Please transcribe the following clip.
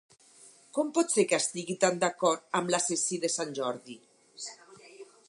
Com pot ser que estigui tan d'acord amb l'assassí de sant Jordi?